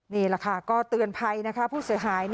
นี่แหละค่ะก็เตือนภัยนะคะผู้เสียหาย